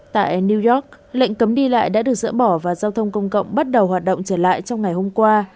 tại new york lệnh cấm đi lại đã được dỡ bỏ và giao thông công cộng bắt đầu hoạt động trở lại trong ngày hôm qua